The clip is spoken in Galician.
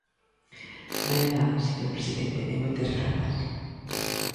Máis nada, señor presidente e moitas grazas.